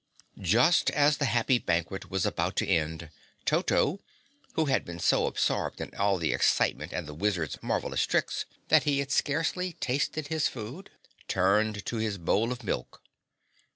Just as the happy banquet was about to end, Toto, who had been so absorbed in all the excitement and the Wizard's marvelous tricks, that he had scarcely tasted his food, turned to his bowl of milk.